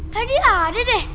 tadi ada deh